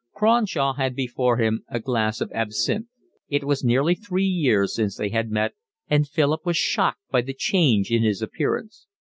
Cronshaw had before him a glass of absinthe. It was nearly three years since they had met, and Philip was shocked by the change in his appearance.